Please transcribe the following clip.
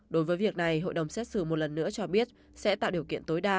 đối với việc này hội đồng xét xử một lần nữa cho biết sẽ tạo điều kiện tối đa